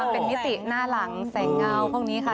เป็นมิติหน้าหลังแสงเงาพวกนี้ค่ะ